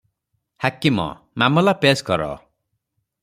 ହାକିମ - ମାମଲା ପେଶ୍ କର ।